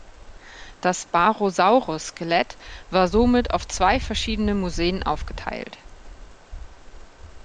Das "Barosaurus"-Skelett war somit auf zwei verschiedene Museen aufgeteilt.